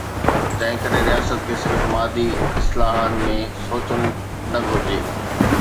تنهن ڪري، رياست کي صرف مادي اصطلاحن ۾ سوچڻ نه گهرجي.